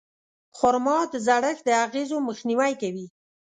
خرما د زړښت د اغېزو مخنیوی کوي.